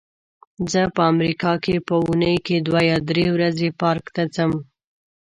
زه په امریکا کې په اوونۍ کې دوه یا درې ورځې پارک ته ځم.